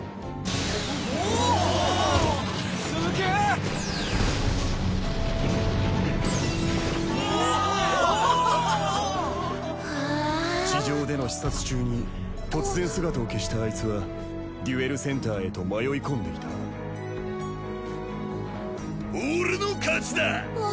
ユウロ：地上での視察中に突然姿を消したアイツはデュエルセンターへと迷い込んでいた俺の勝ちだ！！